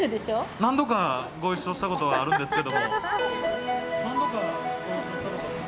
何度かご一緒したことはあるんですけど。